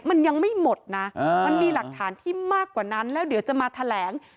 มันยังไม่หมดนะมันมีหลักฐานที่มากกว่านั้นแล้วเดี๋ยวจะมาแถลง